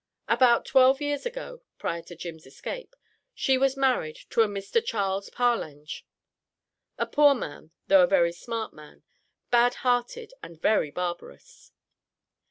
About twelve years ago (prior to Jim's escape) she was married to a Mr. Charles Parlange, "a poor man, though a very smart man, bad hearted, and very barbarous."